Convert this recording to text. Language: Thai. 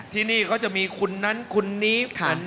ที่นี้มีคุณนั้นคุณนี้